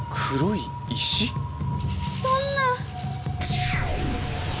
そんな！